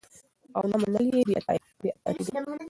او نه منل يي بي اطاعتي ده